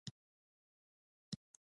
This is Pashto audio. ویده بدن له حرکته پاتې وي